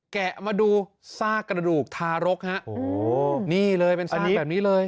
แกะมาดูซากกระดูกทารกฮะโอ้โหนี่เลยเป็นสนิกแบบนี้เลย